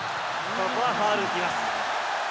ここはファウルきます。